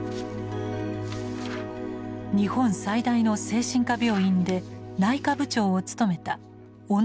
日本最大の精神科病院で内科部長を務めた小野正博医師です。